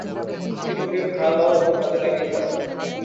একটি কুটীর ভাড়া লও এবং কাজে লাগিয়া যাও।